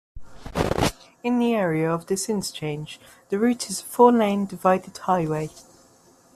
In the area of this interchange, the route is a four-lane divided highway.